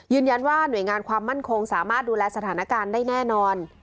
ยืนยันว่าหน่วยงานความมั่นคงสามารถดูแลสถานการณ์ได้แน่นอน